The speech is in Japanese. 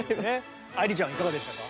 愛理ちゃんはいかがでしたか？